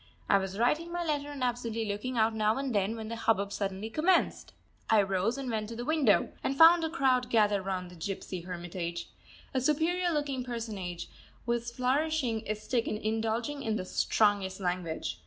I was writing my letter and absently looking out now and then when the hubbub suddenly commenced. I rose and went to the window, and found a crowd gathered round the gypsy hermitage. A superior looking personage was flourishing a stick and indulging in the strongest language.